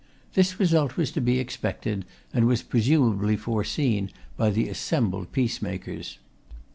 This result was to be expected, and was presumably foreseen by the assembled peacemakers.